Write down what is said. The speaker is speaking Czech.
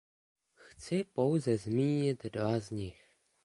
Chci pouze zmínit dva z nich.